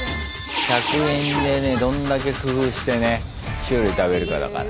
１００円でねどんだけ工夫してね種類食べるかだから。